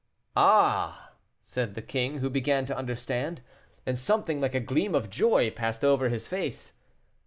"Ah!" said the king, who began to understand; and something like a gleam of joy passed over his face.